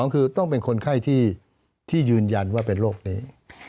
คือต้องเป็นคนไข้ที่ยืนยันว่าเป็นโรคนี้